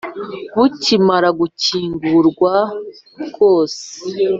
bukimara gukingurwa bwose